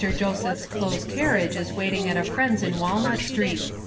Josephs' close carriage is waiting at a friend's in Walnut street.